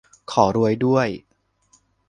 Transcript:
ขอรวยด้วย